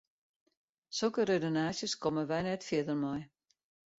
Sokke redenaasjes komme wy net fierder mei.